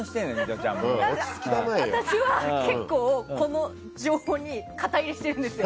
私は結構この情報に肩入れしてるんですよ。